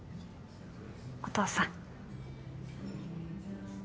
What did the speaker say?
お父さん。